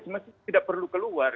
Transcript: itu masih tidak perlu keluar